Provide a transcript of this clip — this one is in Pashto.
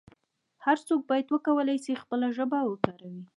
هر څوک باید وکولای شي خپله ژبه وکاروي.